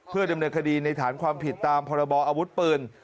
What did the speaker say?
เพื่อดำเนินคดีในฐานความผิดตามพรบออาวุธปืน